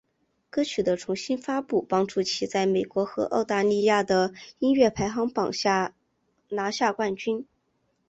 歌曲的重新发布帮助其在美国和澳大利亚的音乐排行榜上拿下冠军。